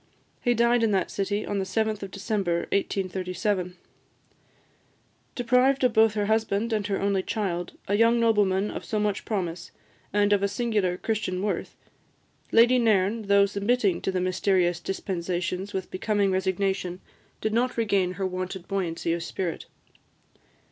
He died in that city on the 7th of December 1837. Deprived both of her husband and her only child, a young nobleman of so much promise, and of singular Christian worth, Lady Nairn, though submitting to the mysterious dispensations with becoming resignation, did not regain her wonted buoyancy of spirit.